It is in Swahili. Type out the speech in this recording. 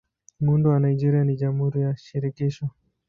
Muundo wa Nigeria ni Jamhuri ya Shirikisho.